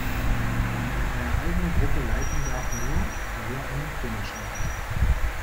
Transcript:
Eine eigene Gruppe leiten darf nur, wer einen Trainerschein hat.